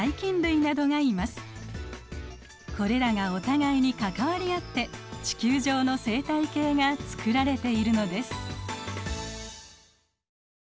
これらがお互いに関わり合って地球上の生態系が作られているのです。